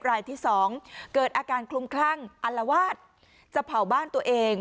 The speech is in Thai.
รายที่๒เกิดอาการคลุมคลั่งอัลวาดจะเผาบ้านตัวเอง